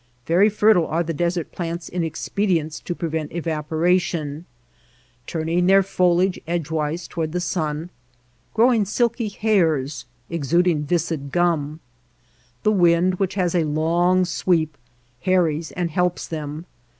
Very fertile are the desert plants in expedients to prevent evaporation, turn ing their foliage edgewise toward the sun, 7 THE LAND OF LITTLE RAIN growing silky hairs, exuding viscid gum. Tlie wind, which has a long sweep, harries and helps them.